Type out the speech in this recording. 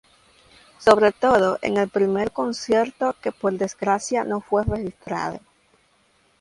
Sobre todo en el primer concierto, que por desgracia no fue registrado.